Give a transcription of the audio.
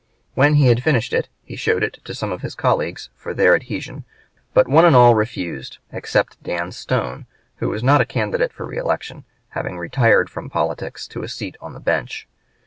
When he had finished it he showed it to some of his colleagues for their adhesion; but one and all refused, except Dan Stone, who was not a candidate for reelection, having retired from politics to a seat on the bench.